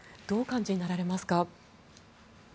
どうお感じになられますか？